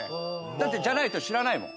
だってじゃないと知らないもん。